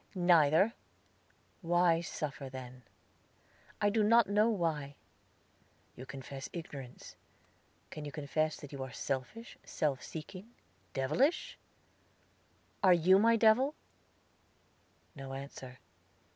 "Neither!" "Why suffer then?" "I do not know why." "You confess ignorance. Can you confess that you are selfish, self seeking devilish?" "Are you my devil?" No answer.